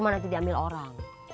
mah nanti diambil orang